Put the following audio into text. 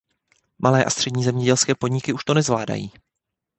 Malé a střední zemědělské podniky už to nezvládají.